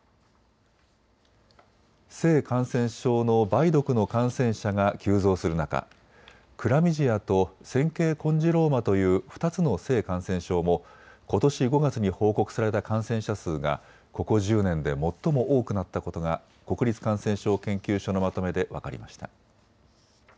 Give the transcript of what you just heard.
性感染症の梅毒の感染者が急増する中、クラミジアと尖圭コンジローマという２つの性感染症もことし５月に報告された感染者数がここ１０年で最も多くなったことが国立感染症研究所のまとめで分かりました。